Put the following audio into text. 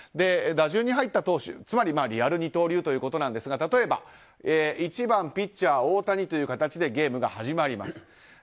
打順に入った投手つまりリアル二刀流ですが例えば１番ピッチャー大谷という形でゲームが始まります。